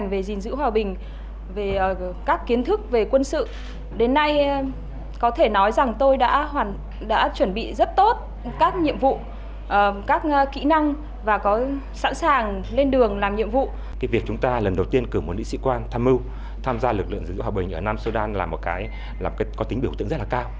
việc chúng ta lần đầu tiên cử một nữ sĩ quan tham mưu tham gia lực lượng giữ hòa bình ở nam sudan là một cái có tính biểu tượng rất là cao